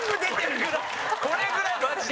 これぐらい、マジで。